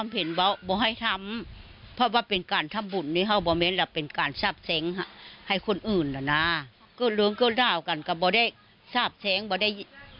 อันยาดน้ำยาดพิศักดิ์ได้